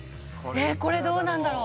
これどうなんだろう